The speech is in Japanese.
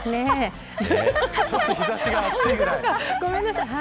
ちょっと日差しが暑いぐらい。